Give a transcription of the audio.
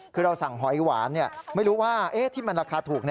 คือเราสั่งหอยหวานไม่รู้ว่าที่มันราคาถูก